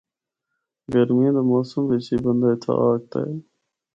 گرمیاں دا موسم بچ ہی بندا اِتھا آ ہکدا اے۔